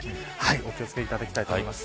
お気を付けいただきたいと思います。